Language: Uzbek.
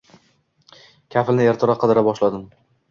Kafilni ertaroq qidira boshladim.